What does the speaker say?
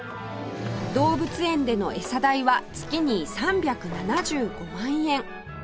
動物園での餌代は月に３７５万円